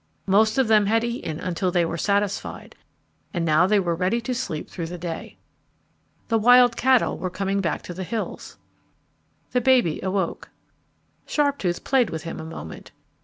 Most of them had eaten until they were satisfied, and now they were ready to sleep through the day. The wild cattle were coming back to the hills. The baby awoke. Sharptooth played with him a moment.